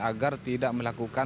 agar tidak melakukan